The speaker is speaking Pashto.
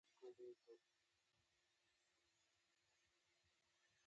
د مایکرو ارګانیزمونو د مختلفو ډولونو سره به آشنايي وشي.